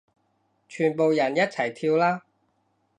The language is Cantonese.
全部人一齊跳啦